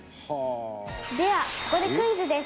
「ではここでクイズです」